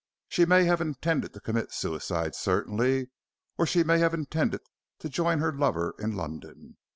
She may have intended to commit suicide certainly, or she may have intended to join her lover in London.